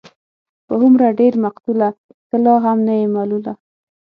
په هومره ډېر مقتوله، ته لا هم نه يې ملوله